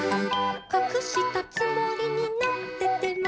「かくしたつもりになってても」